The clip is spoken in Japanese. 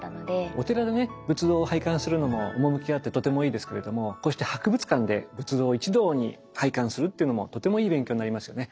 お寺でね仏像を拝観するのも趣があってとてもいいですけれどもこうして博物館で仏像を一堂に拝観するというのもとてもいい勉強になりますよね。